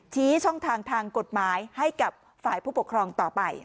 ชี้ช่องทางทางกฎหมายให้กับฝ่ายผู้ปกครองต่อไป